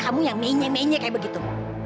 kamu yang menye menye kayak begitu